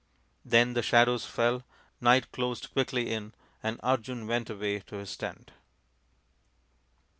Then the shadows fell, night closed quickly in, and Arjun went away to his tent.